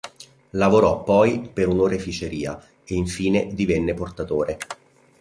Lavorò poi per un'oreficeria e infine divenne portatore.